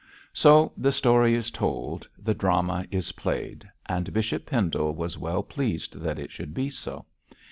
So the story is told, the drama is played, and Bishop Pendle was well pleased that it should be so.